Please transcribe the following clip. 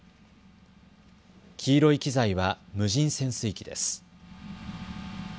黄色い機材は無人潜水機です。